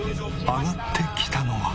揚がってきたのは。